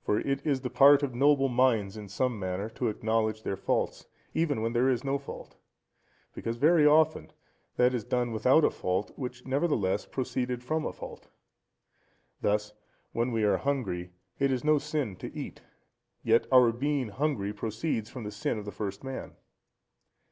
For it is the part of noble minds in some manner to acknowledge their faults, even when there is no fault; because very often that is done without a fault, which, nevertheless, proceeded from a fault. Thus, when we are hungry, it is no sin to eat; yet our being hungry proceeds from the sin of the first man.